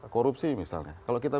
korupsi misalnya kalau kita